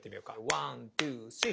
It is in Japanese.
ワントゥースリー。